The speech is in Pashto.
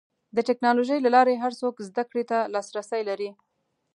د ټکنالوجۍ له لارې هر څوک زدهکړې ته لاسرسی لري.